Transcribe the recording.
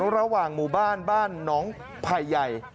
แล้วระหว่างหมู่บ้านบ้านน้องภัยใหญ่